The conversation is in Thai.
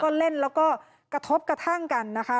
ก็เล่นแล้วก็กระทบกระทั่งกันนะคะ